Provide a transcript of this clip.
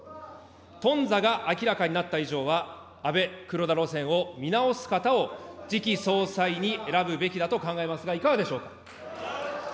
とん挫が明らかになった以上は、安倍・黒田路線を見直す方を次期総裁に選ぶべきだと考えますが、いかがでしょう。